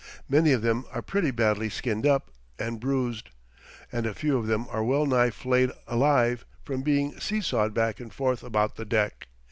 Many of them are pretty badly skinned up and bruised, and a few of them are well nigh flayed alive from being see sawed back and forth about the deck.